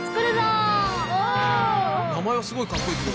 名前はすごいかっこいいけど。